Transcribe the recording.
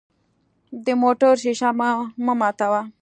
د موټر شیشه مه ماتوه.